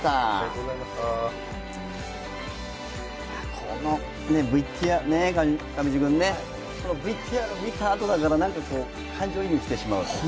このＶＴＲを見たあとだから、感情移入してしまう。